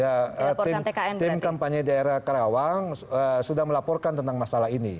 ya tim kampanye daerah karawang sudah melaporkan tentang masalah ini